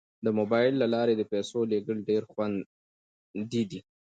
د موبایل له لارې د پيسو لیږل ډیر خوندي دي.